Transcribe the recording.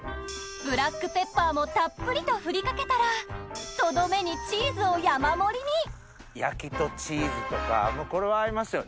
ブラックペッパーもたっぷりと振りかけたらとどめにチーズを山盛りに焼きとチーズとかこれは合いますよね。